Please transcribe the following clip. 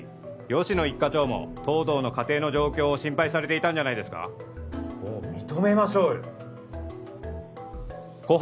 吉乃一課長も東堂の家庭の状況を心配されていたんじゃないですかもう認めましょうよ心